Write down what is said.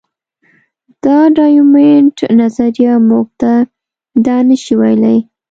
د ډایمونډ نظریه موږ ته دا نه شي ویلی.